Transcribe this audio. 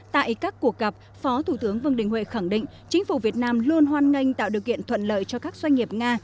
tại các cuộc gặp phó thủ tướng vương đình huệ khẳng định chính phủ việt nam luôn hoan nghênh tạo điều kiện thuận lợi cho các doanh nghiệp nga